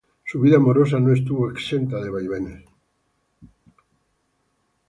Su vida amorosa no estuvo exenta de vaivenes.